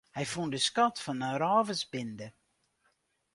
Hy fûn de skat fan in rôversbinde.